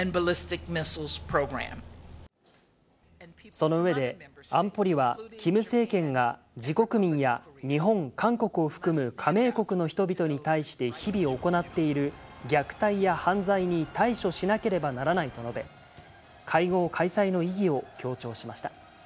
その上で、安保理はキム政権が自国民や日本、韓国を含む加盟国の人々に対して日々行っている虐待や犯罪に対処しなければならないと述べ、会合開催の意義を強調しました。